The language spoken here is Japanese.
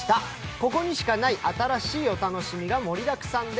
ここにしかない新しいお楽しみが盛りだくさんで。